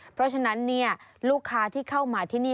เพราะฉะนั้นลูกค้าที่เข้ามาที่นี่